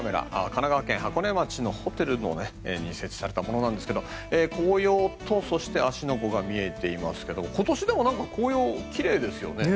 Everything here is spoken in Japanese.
神奈川県箱根町のホテルに設置されたものですが紅葉とそして芦ノ湖が見えていますが今年、紅葉奇麗ですよね。